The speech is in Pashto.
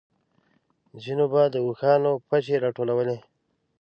ځينو به د اوښانو پچې راټولولې.